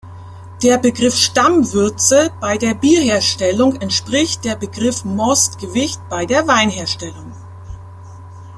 Der Begriff Stammwürze bei der Bierherstellung entspricht der Begriff Mostgewicht bei der Weinherstellung.